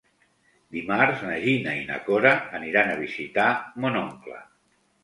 Dimarts na Gina i na Cora aniran a visitar mon oncle.